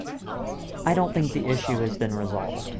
I don't think the issue has been resolved.